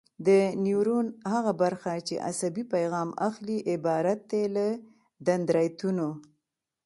د نیورون هغه برخه چې عصبي پیغام اخلي عبارت دی له دندرایتونو.